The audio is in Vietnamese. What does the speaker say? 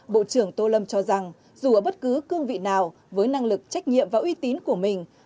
bộ trưởng tô lâm cho rằng dù ở bất cứ cương vị nào với năng lực trách nhiệm và uy tín của mình